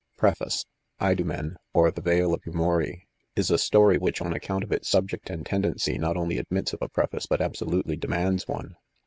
PEEFA CE. "IdomeiT; or the Vale of Yumurl/ 5 is a story which,, on account of its subject and tendency, not only admits of a preface., but absolutely demands one.